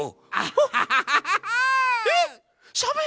ハハハハハ。